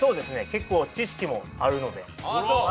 結構知識もあるので。